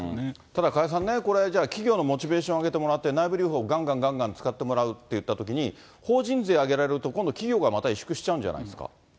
ただ加谷さんね、これ企業のモチベーションを上げてもらって、内部留保がんがんがんがん使ってもらうっていったときに、法人税上げられると、今度企業がまた委縮しちゃうんじゃないですか？